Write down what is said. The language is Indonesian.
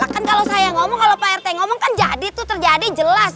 kan kalau saya ngomong kalau pak rt ngomong kan jadi tuh terjadi jelas